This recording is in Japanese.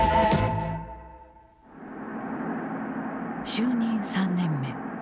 就任３年目。